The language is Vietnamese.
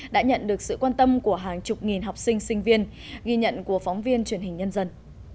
đã nhận được sự quan tâm của hàng chục nghìn học sinh sinh viên ghi nhận của phóng viên truyền hình nhân dân